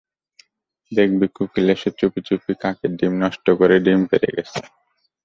দেখবি, কোকিল এসে চুপিচুপি কাকের ডিম নষ্ট করে ডিম পেড়ে গেছে।